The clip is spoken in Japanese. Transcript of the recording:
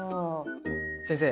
先生。